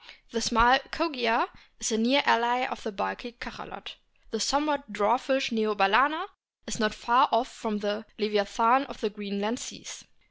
The small Kogia is a near ally of the bulky Cachalot. The somewhat dwarfish Neo balcena is not far off from the leviathan of the Green land seas.